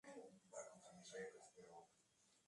Todavía hoy es activo como actor de cine y de televisión.